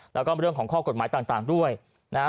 แล้วก็เรื่องของข้อกฎหมายต่างด้วยนะฮะ